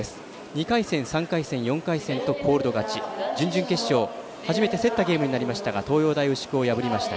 ２回戦、３回戦、４回戦とコールド勝ち準々決勝、初めて競ったゲームになりました東洋大牛久を破りました。